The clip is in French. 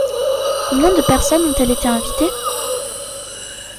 Combien de personnes ont-elles été invitées ?